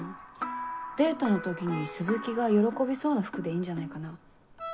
デートの時に鈴木が喜びそうな服でいいんじゃないかな。